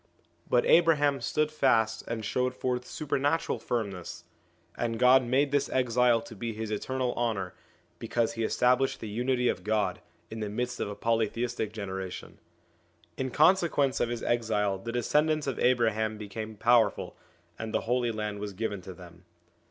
But Abraham stood fast and showed forth supernatural firmness ; and God made this exile to be to his eternal honour, because he established the Unity of God, in the midst of a polytheistic generation. In consequence of his exile the descendants of Abraham became powerful, and the Holy Land was given to them.